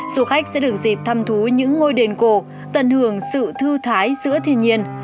du khách sẽ được dịp thăm thú những ngôi đền cổ tận hưởng sự thư thái giữa thiên nhiên